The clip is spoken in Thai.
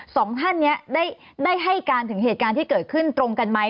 สองท่านนี้ได้ให้การถึงเหตุการณ์ที่เกิดขึ้นตรงกันไหม